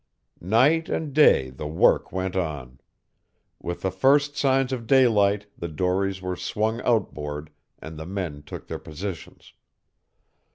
Night and day the work went on. With the first signs of daylight the dories were swung outboard and the men took their positions.